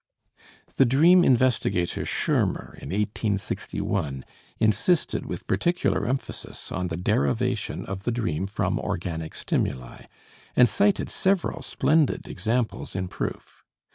The dream investigator Schirmer (1861) insisted with particular emphasis on the derivation of the dream from organic stimuli, and cited several splendid examples in proof.